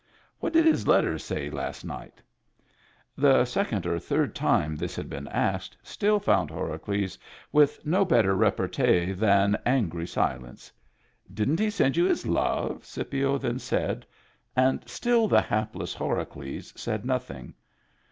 What did his letter last night say ?" The second or third time this had been asked still found Horacles with no better repartee than angry silence. "Didn't he send me his love?" Scipio then said ; and still the hapless Horacles said nothing.